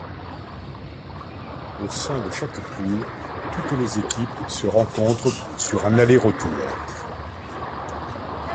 Au sein de chaque poule, toutes les équipes se rencontrent sur un aller-retour.